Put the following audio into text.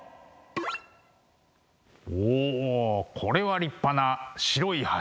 おおこれは立派な白い柱。